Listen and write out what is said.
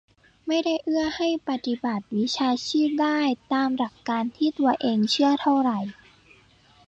ไม่ได้เอื้อให้ปฏิบัติวิชาชีพได้ตามหลักการที่ตัวเองเชื่อเท่าไหร่